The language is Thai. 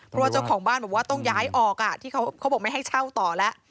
เพราะว่าเจ้าของบ้านบอกว่าต้องย้ายออกที่เขาบอกไม่ให้เช่าต่อแล้ว